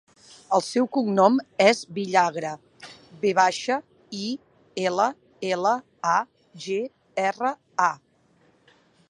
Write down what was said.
El seu cognom és Villagra: ve baixa, i, ela, ela, a, ge, erra, a.